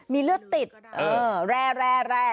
มีเลือดติดแร่